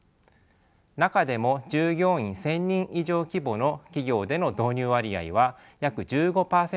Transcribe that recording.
中でも従業員１，０００人以上規模の企業での導入割合は約１５％まで増えました。